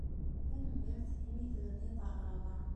Tanemmirt imi ay tebniḍ aɣrab-a.